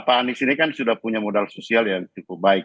pak anies ini kan sudah punya modal sosial yang cukup baik